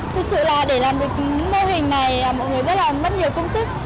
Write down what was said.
thực sự là để làm được những mô hình này mọi người rất là mất nhiều công sức